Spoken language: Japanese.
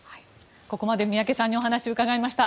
ここまで宮家さんにお話を伺いました。